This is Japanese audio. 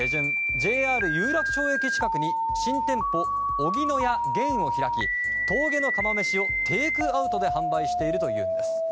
ＪＲ有楽町駅近くに新店舗荻野屋弦を開き峠の釜めしを、テイクアウトで販売しているというんです。